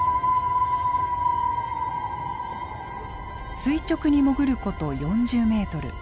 垂直に潜ること４０メートル。